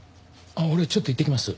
俺ちょっと行ってきます。